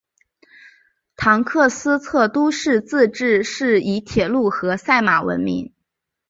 唐克斯特都市自治市以铁路和赛马闻名。